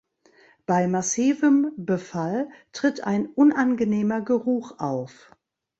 Bei massivem Befall tritt ein unangenehmer Geruch auf.